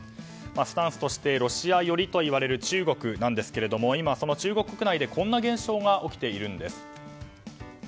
スタンスとしてロシア寄りと言われる中国ですが今はその中国国内でこんな現象が起きているんです。